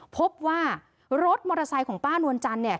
พบว่ารถมอเตอร์ไซค์ของป้านวลจันทร์เนี่ย